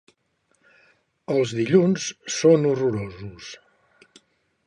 Els dilluns són horrorosos.